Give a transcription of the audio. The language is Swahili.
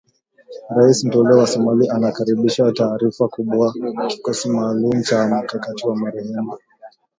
Rais mteule wa Somalia anakaribisha taarifa kwamba kikosi maalum cha mkakati cha Marekani